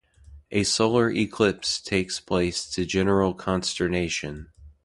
A solar eclipse takes place to general consternation.